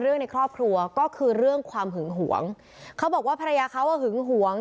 ในครอบครัวก็คือเรื่องความหึงหวงเขาบอกว่าภรรยาเขาอ่ะหึงหวง